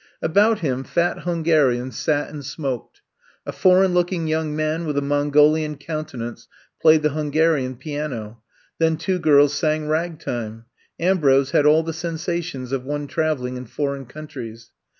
About him fat Hungarians sat and smoked. A foreign looking young man with a Mongolian countenance played the Hungarian piano. Then two girls sang ragtime. Ambrose had all the sensations of one traveling in foreign countries.